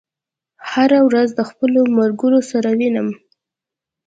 هره ورځ د خپلو ملګرو سره وینم.